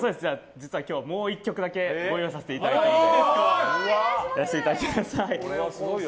実は今日もう１曲だけご用意させていただいたのでやらせていただきます。